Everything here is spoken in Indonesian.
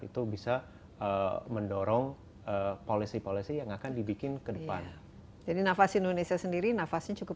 itu bisa mendorong polisi polisi yang akan dibikin ke depan jadi nafas indonesia sendiri nafasnya cukup